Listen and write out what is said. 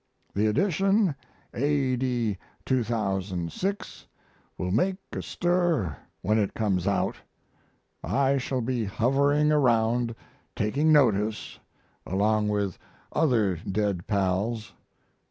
The edition of A.D. 2006 will make a stir when it comes out. I shall be hovering around taking notice, along with other dead pals.